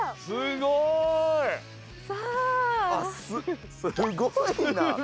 すごいな。